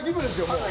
もう。